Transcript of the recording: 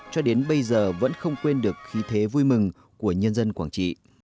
cho đến bây giờ vẫn không quên được khí thế vui mừng của nhân dân quảng trị